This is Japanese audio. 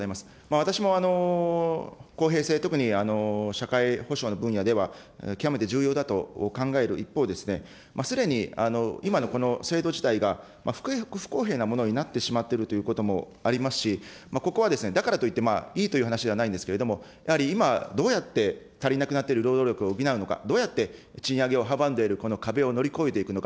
私も公平性、特に社会保障の分野では、極めて重要だと考える一方で、すでに今のこの制度自体が不公平なものになってしまっているということもありますし、ここはだからといっていいという話ではないんですけれども、やはり今、どうやって、足りなくなっている労働力を補うのか、どうやって、賃上げを阻んでいるこの壁を乗り越えていくのか。